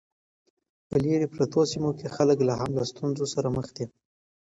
په لیرې پرتو سیمو کې خلک لا هم له ستونزو سره مخ دي.